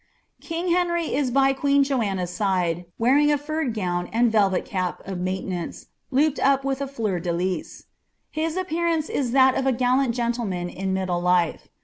King Henry b by queen Joanna's side, wearing a furred gown wi velvet cap of maintenance, looped up with sJleur dc K*. Uis Bppaaaci is titat of a gallant gentleman in middle life.